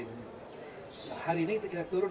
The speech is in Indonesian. kemudian ada yang berikutnya kemarin